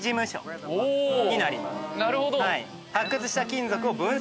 なるほど。